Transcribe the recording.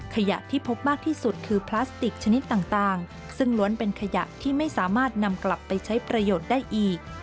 ขยะที่พบมากที่สุดคือพลาสติกชนิดต่างซึ่งล้วนเป็นขยะที่ไม่สามารถนำกลับไปใช้ประโยชน์ได้อีก